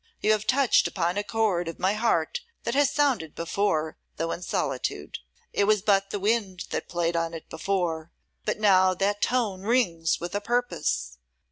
You have touched upon a chord of my heart that has sounded before, though in solitude. It was but the wind that played on it before; but now that tone rings with a purpose.